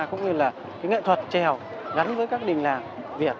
cũng như là nghệ thuật trèo gắn với các đình làng việt